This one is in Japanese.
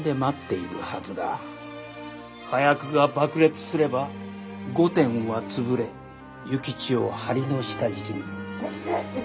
火薬が爆裂すれば御殿は潰れ幸千代は梁の下敷きに。